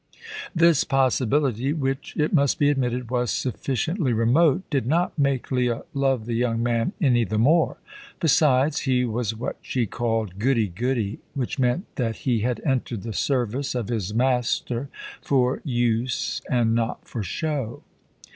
This possibility, which it must be admitted was sufficiently remote, did not make Leah love the young man any the more. Besides, he was what she called "goody goody," which meant that he had entered the service of his Master for use and not for show.